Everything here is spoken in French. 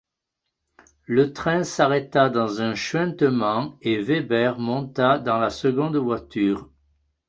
Le train s’arrêta dans un chuintement et Weber monta dans la seconde voiture.